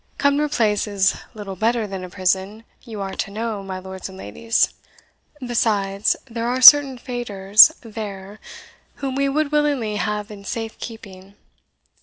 Cumnor Place is little better than a prison, you are to know, my lords and ladies. Besides, there are certain faitours there whom we would willingly have in safe keeping.